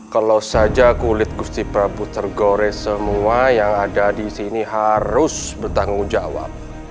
kalau saja kulit gusti prabu tergores semua yang ada di sini harus bertanggung jawab